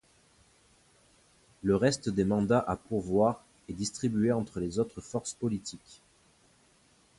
Le reste des mandats à pourvoir est distribué entre les autres forces politiques.